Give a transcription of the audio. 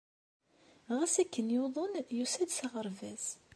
Ɣas akken yuḍen yusa-d s aɣerbaz.